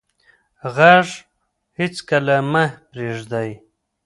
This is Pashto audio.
غږ هېڅکله مه پرېږدئ.